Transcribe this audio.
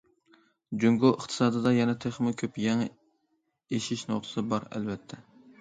جۇڭگو ئىقتىسادىدا يەنە تېخىمۇ كۆپ يېڭى ئېشىش نۇقتىسى بار ئەلۋەتتە.